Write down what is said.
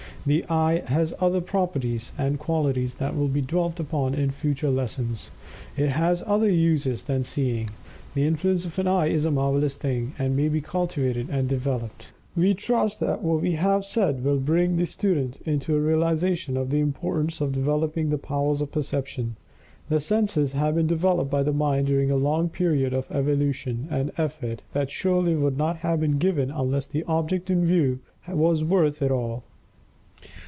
The eye has other properties and qualities that will be dwelt upon in future lessons. It has other uses than seeing. The influence of the eye is a marvelous thing, and may be cultivated and developed. We trust that what we have said will bring the student to a realization of the importance of developing the powers of Perception. The senses have been developed by the mind during a long period of evolution and effort that surely would not have been given unless the object in view was worth it all.